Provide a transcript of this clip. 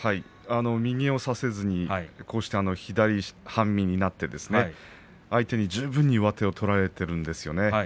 右を差せずに左半身になって相手に十分上手を取られているんですよね。